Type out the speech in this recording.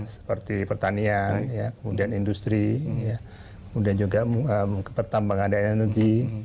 seperti pertanian kemudian industri kemudian juga pertambangan daya energi